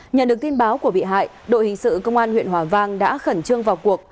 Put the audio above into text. nhận được tin báo của bị hại đội hình sự công an huyện hòa vang đã khẩn trương vào cuộc